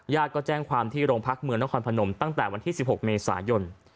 ก็แจ้งความที่โรงพักเมืองนครพนมตั้งแต่วันที่๑๖เมษายน